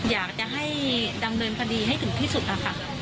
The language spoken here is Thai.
อยากจะให้ดำเนินคดีให้ถึงที่สุดนะคะ